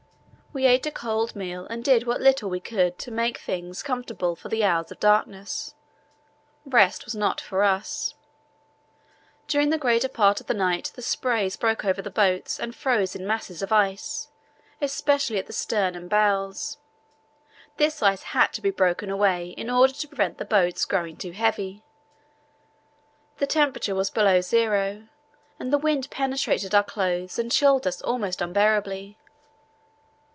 We ate a cold meal and did what little we could to make things comfortable for the hours of darkness. Rest was not for us. During the greater part of the night the sprays broke over the boats and froze in masses of ice, especially at the stern and bows. This ice had to be broken away in order to prevent the boats growing too heavy. The temperature was below zero and the wind penetrated our clothes and chilled us almost unbearably.